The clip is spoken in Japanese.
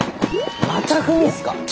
またふみっすか？